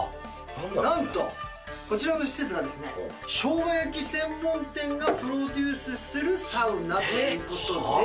なんと、こちらの施設はですね、しょうが焼き専門店がプロデュースするサウナということで。